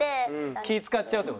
気ぃ使っちゃうって事？